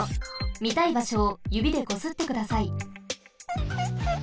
みたいばしょをゆびでこすってください。